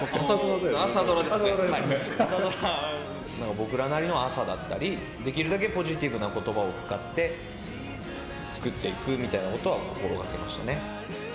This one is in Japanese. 僕らなりの朝だったりできるだけポジティブな言葉を使って作っていくみたいなことは心がけました。